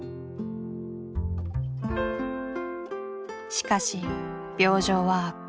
しかし病状は悪化。